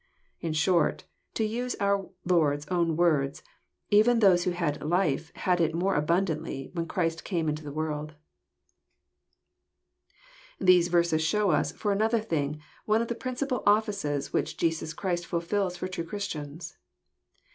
In short, to use our Lord's own words, even those who had life had it *' more abundantly," when Christ came into the world. These verses show us, for another thing, one of the prinr eipal offices which Jesiis Christ fills for true Christians.